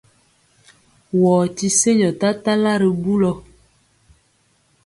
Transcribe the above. Wɔɔ ti senjɔ tatala ri bulɔ.